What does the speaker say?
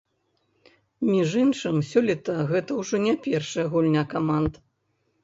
Між іншым, сёлета гэта ўжо не першая гульня каманд.